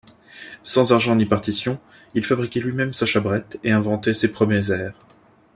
Sans argent ni partition, il fabriquait lui-même sa chabrette et inventait ses premiers airs.